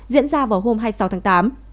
diễn ra vào hôm hai mươi sáu tháng tám